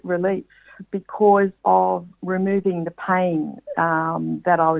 karena menghilangkan sakit yang saya alami pada saat itu